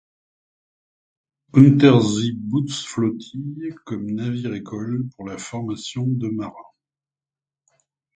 Unterseebootsflottille comme navire-école, pour la formation de marins.